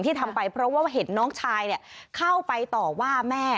ทำไปเพราะว่าเห็นน้องชายเข้าไปต่อว่าแม่